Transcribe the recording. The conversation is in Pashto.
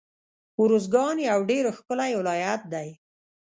روزګان يو ډير ښکلی ولايت دی